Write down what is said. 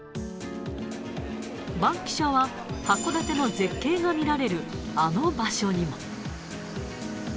バンキシャは、函館の絶景が見られるあの場所にも。